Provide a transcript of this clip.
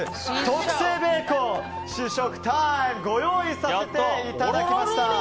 特製ベーコン、試食タイムご用意させていただきました。